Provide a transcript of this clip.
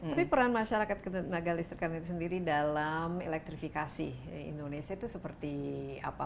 tapi peran masyarakat tenaga listrik kan itu sendiri dalam elektrifikasi indonesia itu seperti apa